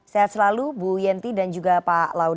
sehat selalu bu yenti dan juga pak laude